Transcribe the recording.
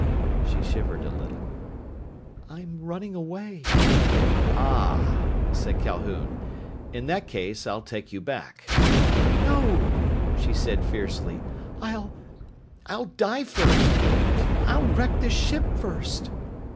She shivered a little. "I'm running away...." "Ah!" said Calhoun. "In that case I'll take you back." "No!" she said fiercely. "I'll I'll die first! I'll wreck this ship first!"